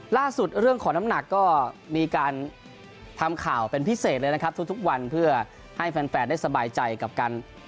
เรื่องของน้ำหนักก็มีการทำข่าวเป็นพิเศษเลยนะครับทุกวันเพื่อให้แฟนได้สบายใจกับการ